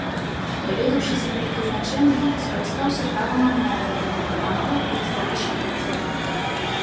Даведаўшыся пра прызначэнне, скарыстаўся правам адмовы ад гэтай прапановы як старэйшы афіцэр.